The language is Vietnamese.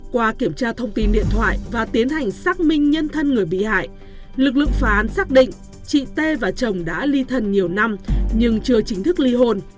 qua kiểm tra thông tin điện thoại và tiến hành xác minh nhân thân người bị hại lực lượng phá án xác định chị tê và chồng đã ly thân nhiều năm nhưng chưa chính thức ly hôn